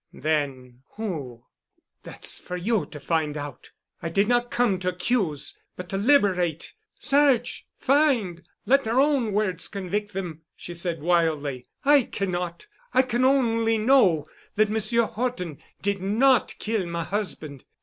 "Then who——?" "That's for you to find out. I did not come to accuse—but to liberate. Search! Find! Let their own words convict them," she said wildly. "I cannot. I only know that Monsieur Horton did not kill my husband.